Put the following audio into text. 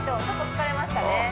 ちょっと疲れましたね